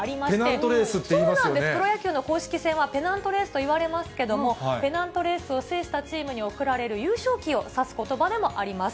ペナントレースって言いますそうなんです、プロ野球の公式戦はペナントレースといわれますけれども、ペナントレースを制したチームに贈られる優勝旗を指すことばでもあります。